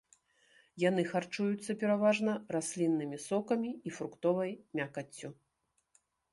Яны харчуюцца пераважна расліннымі сокамі і фруктовай мякаццю.